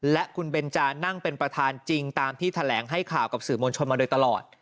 และคุณเบนจานั่งเป็นประธานจริงตามที่แถลงให้ข่าวกับสื่อมวลชนมาโดยตลอด